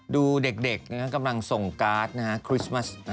ดูเด็กกำลังส่งการ์ดนะฮะคริสต์มัส